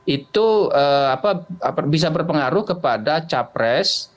itu ee apa bisa berpengaruh kepada capres